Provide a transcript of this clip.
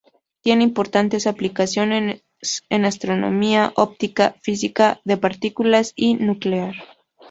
Tienen importantes aplicaciones en astronomía, óptica, física de partículas y nuclear.